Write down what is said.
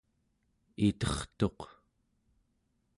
itertuq